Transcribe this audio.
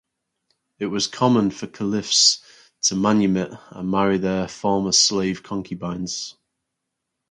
It was common for Caliphs to manumit and marry their former slave concubines.